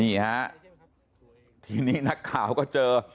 นี่ฮะทีนี้นักข่าวก็เจอ